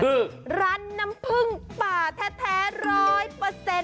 คือร้านน้ำผึ้งป่าแท้๑๐๐